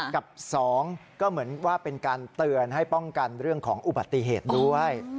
กับ๒ก็เหมือนว่าเป็นการเตือนให้ป้องกันเรื่องของอุบัติเหตุด้วย